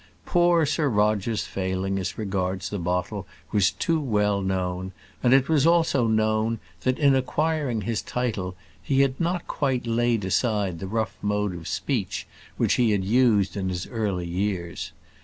Poor Sir Roger's failing as regards the bottle was too well known; and it was also known that, in acquiring his title, he had not quite laid aside the rough mode of speech which he had used in his early years.